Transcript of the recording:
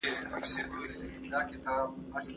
زه سبزیجات نه پاختم؟